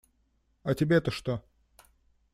А тебе-то что?